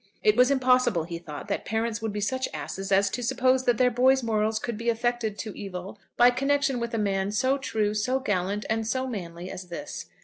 It was impossible, he thought, that parents would be such asses as to suppose that their boys' morals could be affected to evil by connection with a man so true, so gallant, and so manly as this.